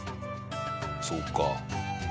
そうか。